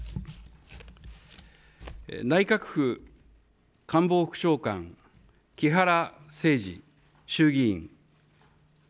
内閣府官房副長官、木原誠二衆議院。